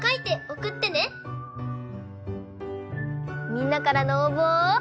みんなからのおうぼを。